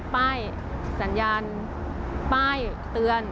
ป้ายสัญญาณป้ายเตือน